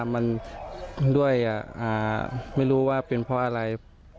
มันด้วยไม่รู้ว่าเป็นเพราะอะไร